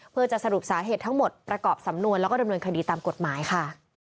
เพื่อจะสรุปสาเหตุทั้งหมดประกอบสำนวนแล้วก็ดำเนินคดีตามกฎหมายค่ะ